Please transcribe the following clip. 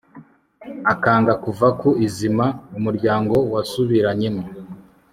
akanga kuva ku izima umuryango wasubiranyemo